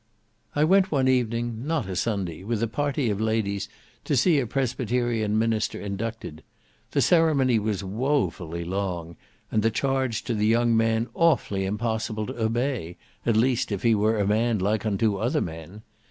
I went one evening, not a Sunday, with a party of ladies to see a Presbyterian minister inducted. The ceremony was woefully long, and the charge to the young man awfully impossible to obey, at least if he were a man, like unto other men.